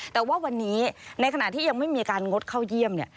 แต่ว่าวันนี้ในขณะที่ยังไม่มีการงดเข้าเยี่ยมเนี่ย